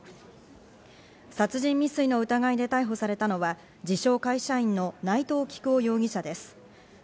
殺人未遂の疑いで逮捕されたのは、自称会社員の内藤起久雄容疑者です。